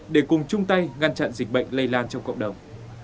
để cùng chung tay ngăn chặn dịch bệnh lây lan trong cộng đồng